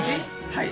はい。